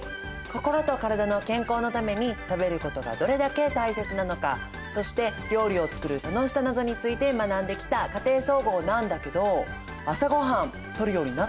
心と体の健康のために食べることがどれだけ大切なのかそして料理を作る楽しさなどについて学んできた「家庭総合」なんだけど朝ごはんとるようになったかな？